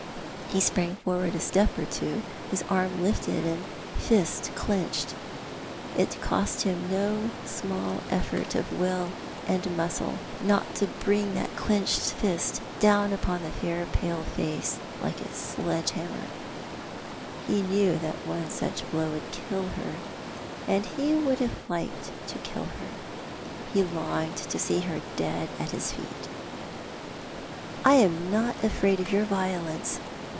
He sprang forward a step or two, with his arm lifted and fist clenched. It cost him no small effort of will and muscle not to bring that clenched fist down upon the fair i^ale face, like a sledge hammer. He knew that one such blow would kill her, and he would have liked to kill her. He longed to see her dead at his feet. " I am not afraid of your violence.